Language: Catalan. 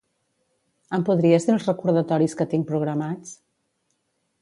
Em podries dir els recordatoris que tinc programats?